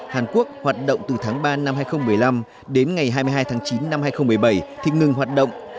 hàn quốc hoạt động từ tháng ba năm hai nghìn một mươi năm đến ngày hai mươi hai tháng chín năm hai nghìn một mươi bảy thì ngừng hoạt động